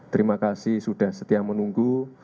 terima kasih sudah setia menunggu